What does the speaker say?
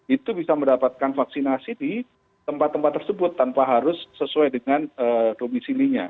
itu bisa mendapatkan vaksinasi di tempat tempat tersebut tanpa harus sesuai dengan domisilinya